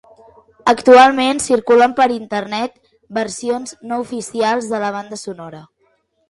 Actualment circulen per Internet, versions no oficials de la banda sonora.